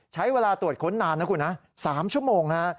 ใช้เวลาตรวจค้นนาน๓ชั่วโมง